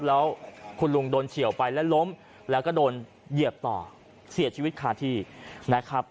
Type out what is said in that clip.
แล้วคุณลุงโดนเฉียวไปแล้วล้มแล้วก็โดนเหยียบต่อเสียชีวิตคาที่นะครับ